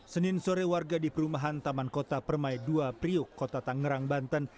senin sore warga di perumahan taman kota permai dua priuk kota tangerang banten